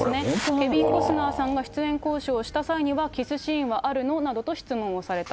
ケビン・コスナーさんが出演交渉をした際には、キスシーンはあるの？などと質問をされた。